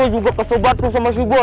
woy gue juga kesobat tuh sama si boy